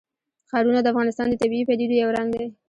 ښارونه د افغانستان د طبیعي پدیدو یو رنګ دی.